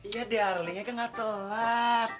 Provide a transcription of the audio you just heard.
ya darling ya kan gak telat